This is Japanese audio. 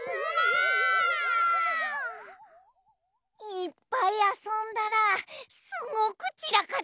いっぱいあそんだらすごくちらかっちゃったね。